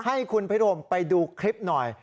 ให้คุณผู้ชมไปดูคลิปหน่อย